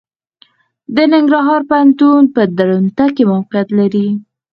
د ننګرهار پوهنتون په درنټه کې موقعيت لري.